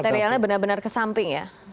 materialnya benar benar ke samping ya